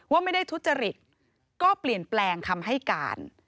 ว่าไม่ได้ทุจริตก็เปลี่ยนแปลงคำให้การ